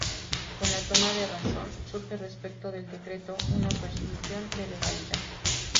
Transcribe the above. Con la toma de razón surge respecto del decreto una presunción de legalidad.